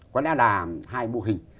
có lẽ là hai mô hình